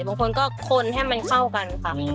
บางคนก็คนให้มันเข้ากันค่ะ